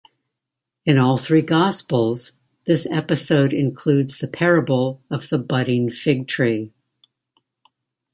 In all three Gospels, this episode includes the parable of The Budding Fig Tree.